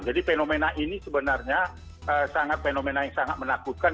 jadi fenomena ini sebenarnya sangat fenomena yang sangat menakutkan